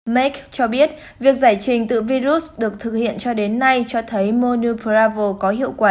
mac cho biết việc giải trình tự virus được thực hiện cho đến nay cho thấy monupravel có hiệu quả